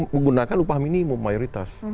menggunakan upah minimum mayoritas